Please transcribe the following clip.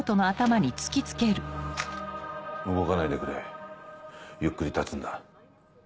動かないでくれゆっくり立つんだ。